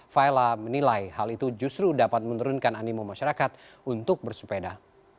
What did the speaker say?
faila menilai hal itu justru dapat menurunkan animo masyarakat untuk bersepeda